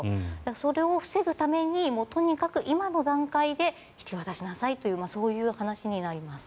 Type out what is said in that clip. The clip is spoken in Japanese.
それを防ぐためにとにかく今の段階で引き渡しなさいというそういう話になります。